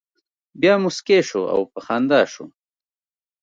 بیا مسکی شو او په خندا شو.